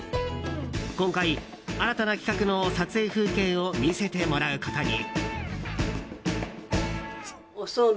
今回、新たな企画の撮影風景を見せてもらうことに。